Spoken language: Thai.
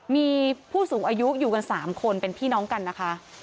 มีผู้สูงอายุอยู่กัน๓คนเป็นพี่น้องกันนะคะ